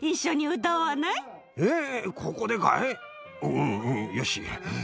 ううんよし。